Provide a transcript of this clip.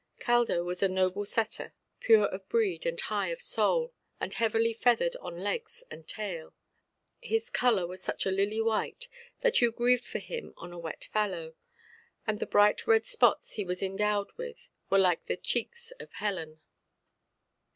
Caldo was a noble setter, pure of breed, and high of soul, and heavily feathered on legs and tail. His colour was such a lily white, that you grieved for him on a wet fallow; and the bright red spots he was endowed with were like the cheeks of Helen.